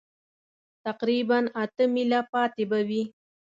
تقریباً اته مېله پاتې به وي.